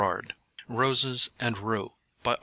ROSES AND RUE (To L.